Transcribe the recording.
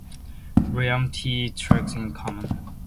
William T. Truxtun in command.